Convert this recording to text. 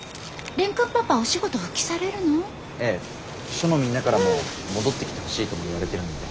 署のみんなからも戻ってきてほしいとも言われてるので。